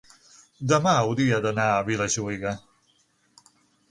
demà hauria d'anar a Vilajuïga.